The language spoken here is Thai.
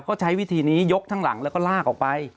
เขาใช้วิธีนี้ยกทั้งหลังแล้วก็ลากออกไป